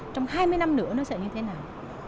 trong hai mươi năm nữa nó sẽ như thế nào